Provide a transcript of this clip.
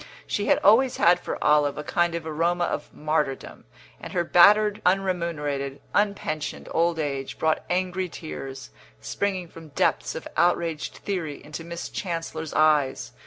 She had always had for Olive a kind of aroma of martyrdom, and her battered, unremunerated, un pensioned old age brought angry tears, springing from depths of outraged theory, into Miss Chancellor's eyes.